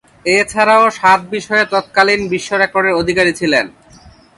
এছাড়াও সাত বিষয়ে তৎকালীন বিশ্বরেকর্ডের অধিকারী ছিলেন।